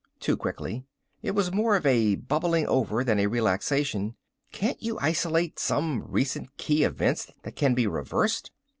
Too quickly. It was more of a bubbling over than a relaxation. "Can't you isolate some recent key events that can be reversed?"